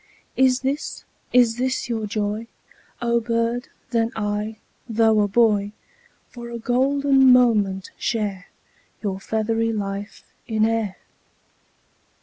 'Is this, is this your joy? O bird, then I, though a boy 10 For a golden moment share Your feathery life in air!